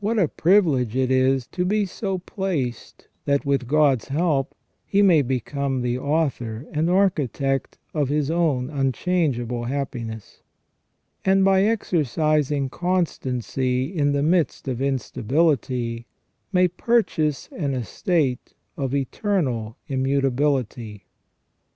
What a privilege it is to be so placed that, with God's help, he may become the author and architect of his own unchangeable happiness, and by exercising constancy in the midst of instability may purchase an estate of eternal immutability."